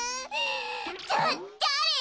だだれ？